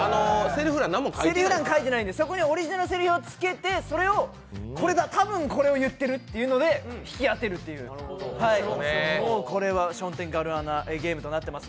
せりふなんか書いていないんです、そこにオリジナルのせりふをつけて多分これを言ってるといって引き当てるというもうこれは、テンション上がるゲームとなっております。